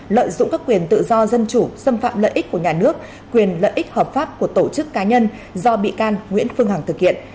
lợi dụng các quyền tự do dân chủ xâm phạm lợi ích của nhà nước quyền lợi ích hợp pháp của tổ chức cá nhân do bị can nguyễn phương hằng thực hiện